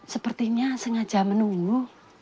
sepertinya sengaja menunggu